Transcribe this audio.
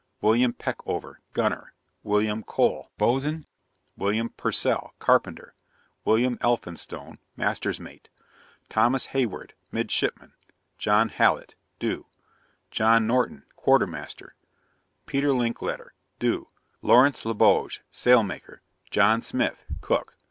WILLIAM PECKOVER Gunner. WILLIAM COLE Boatswain. WILLIAM PURCELL Carpenter. WILLIAM ELPHINSTONE Master's Mate. THOMAS HAYWARD } Midshipman. JOHN HALLET } do. JOHN NORTON } Quarter Master. PETER LENKLETTER } do. LAWRENCE LEBOGUE Sailmaker. JOHN SMITH } Cook.